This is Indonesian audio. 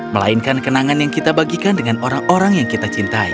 melainkan kenangan yang kita bagikan dengan orang orang yang kita cintai